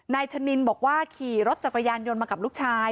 ชะนินบอกว่าขี่รถจักรยานยนต์มากับลูกชาย